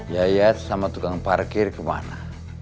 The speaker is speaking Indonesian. yayat sama tukang parkir kemana